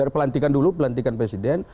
pelantikan dulu pelantikan presiden